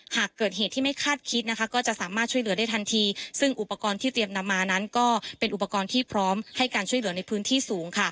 หากเกิดเหตุที่ไม่คาดคิดนะคะก็จะสามารถช่วยเหลือได้ทันทีซึ่งอุปกรณ์ที่เตรียมนำมานั้นก็เป็นอุปกรณ์ที่พร้อมให้การช่วยเหลือในพื้นที่สูง